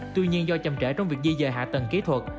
tuy nhiên do chầm trễ trong việc di dời hạ tầng kỹ thuật